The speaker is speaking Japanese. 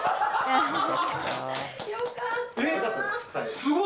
すごい！